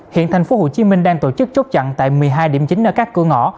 hiện thành phố hồ chí minh đang tổ chức chốt chặn tại một mươi hai điểm chính ở các cửa ngõ